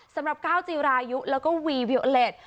สำหรับก้าวจีรายุแล้วก็วีวิโอเล็ต